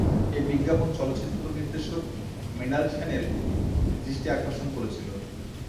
এই বিজ্ঞাপন চলচ্চিত্র নির্দেশক মৃণাল সেনের দৃষ্টি আকর্ষণ করেছিল।